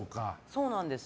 そうなんです。